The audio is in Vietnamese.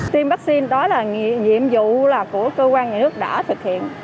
tiêm vaccine đó là nhiệm vụ của cơ quan nhà nước đã thực hiện